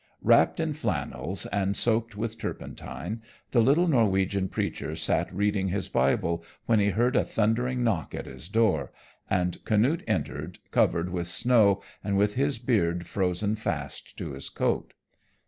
Wrapped in flannels and soaked with turpentine, the little Norwegian preacher sat reading his Bible, when he heard a thundering knock at his door, and Canute entered, covered with snow and with his beard frozen fast to his coat.